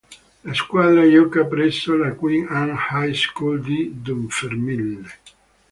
La squadra gioca presso la Queen Anne High School di Dunfermline.